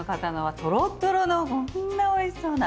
トロトロのこんなおいしそうな。